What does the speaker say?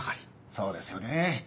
そうですよね。